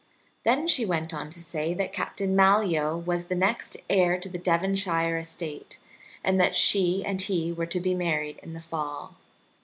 Then she went on to say that Captain Malyoe was the next heir to the Devonshire estate, and that she and he were to be married in the fall.